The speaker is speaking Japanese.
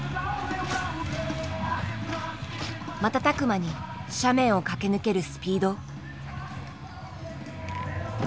瞬く間に斜面を駆け抜けるスピード。